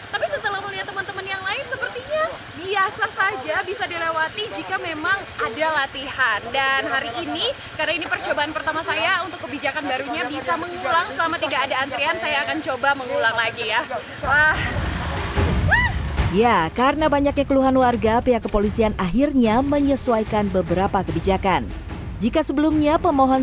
tapi setelah melihat teman teman yang lain sepertinya biasa saja bisa dilewati jika memang ada latihan